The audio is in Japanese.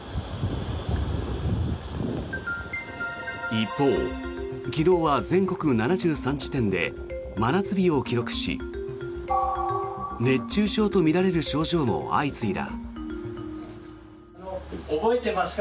一方、昨日は全国７３地点で真夏日を記録し熱中症とみられる症状も相次いだ。